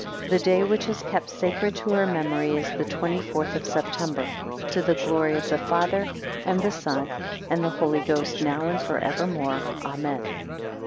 17 The day which is kept sacred to her memory, is the twenty fourth of September, to the glory of the Father, and the Son, and the Holy Ghost, now and for evermore. Amen.